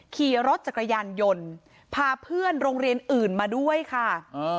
ขี่รถจักรยานยนต์พาเพื่อนโรงเรียนอื่นมาด้วยค่ะ